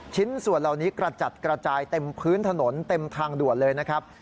ชิ้นส่วนเหล่านี้กระจัดกระจายเต็มพื้นถนนเต็มทางด่วนเลยนะครับ